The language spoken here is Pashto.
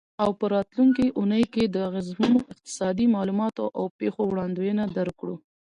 او په راتلونکې اونۍ کې د اغیزمنو اقتصادي معلوماتو او پیښو وړاندوینه درکړو.